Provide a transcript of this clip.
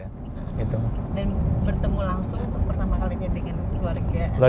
dan bertemu langsung itu pertama kali ngetikin keluarga